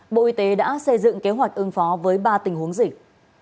bộ y tế đã xây dựng kế hoạch ứng phó với ba tình huống dịch